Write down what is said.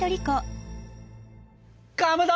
かまど！